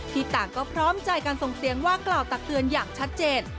ต่างก็พร้อมใจการส่งเสียงว่ากล่าวตักเตือนอย่างชัดเจน